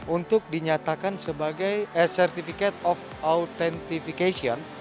untuk dinyatakan sebagai certificate of authentification